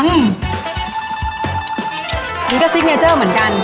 อันนี้ก็ซิกเนเจอร์เหมือนกัน